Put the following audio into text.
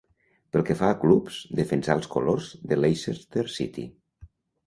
Pel que fa a clubs, defensà els colors de Leicester City.